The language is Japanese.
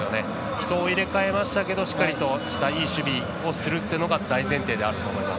人を入れ替えましたけどしっかりしたいい守備をするというところが大前提であると思います。